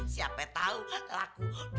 siapa tau laku